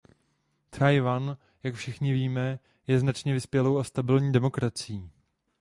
Tchaj-wan, jak všichni víme, je značně vyspělou a stabilní demokracií.